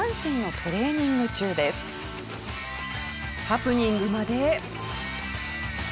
ハプニングまで。